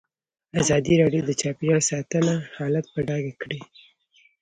ازادي راډیو د چاپیریال ساتنه حالت په ډاګه کړی.